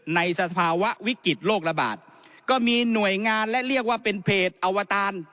สภาวะวิกฤตโรคระบาดก็มีหน่วยงานและเรียกว่าเป็นเพจอวตาร